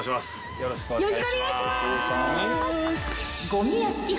よろしくお願いします。